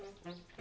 え？